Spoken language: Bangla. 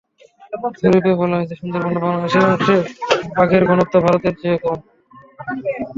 জরিপে বলা হয়েছে, সুন্দরবনের বাংলাদেশ অংশে বাঘের ঘনত্ব ভারতের চেয়ে কম।